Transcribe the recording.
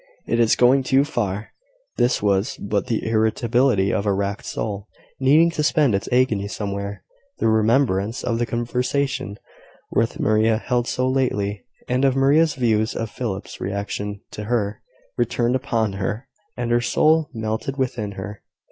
It is going too far." This was but the irritability of a racked soul, needing to spend its agony somewhere. The remembrance of the conversation with Maria, held so lately, and of Maria's views of Philip's relation to her, returned upon her, and her soul melted within her.